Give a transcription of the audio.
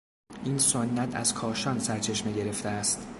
این سنت از کاشان سرچشمه گرفته است.